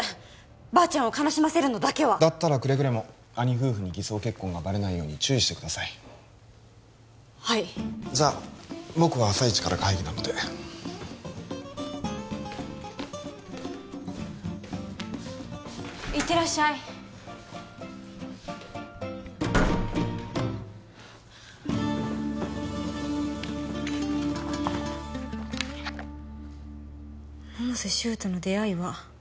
ばあちゃんを悲しませるのだけはだったらくれぐれも兄夫婦に偽装結婚がバレないように注意してくださいはいじゃ僕は朝イチから会議なので行ってらっしゃい「百瀬柊との出会いは？」